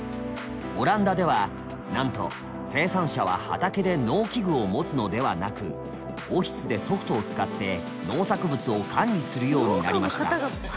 オランダではなんと生産者は畑で農機具を持つのではなくオフィスでソフトを使って農作物を管理するようになりました。